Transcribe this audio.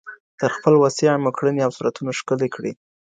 تر خپل وسعه مو کړني او صورتونه ښکلي کړئ